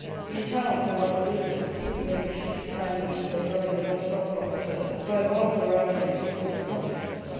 In towns, or large villages, people make a shift to find the means of rubbing the rust off from each other by a vast variety of sources of contest.